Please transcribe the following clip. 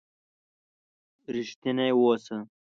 رښتيني وسه.